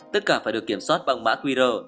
tất cả phải được kiểm soát bằng mã qr